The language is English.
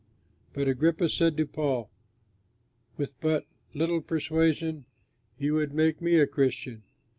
But Agrippa said to Paul, "With but little persuasion you would make me a Christian!"